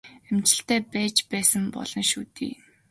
Ажилтай байж байсан болно шүү дээ.